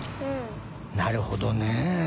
なるほどね。